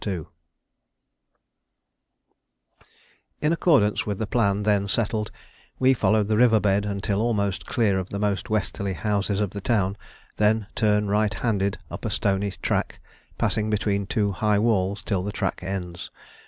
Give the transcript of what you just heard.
] In accordance with the plan then settled we follow the river bed until almost clear of the most westerly houses of the town, then turn right handed up a stony track, passing between two high walls till the track ends.